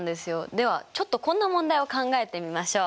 ではちょっとこんな問題を考えてみましょう。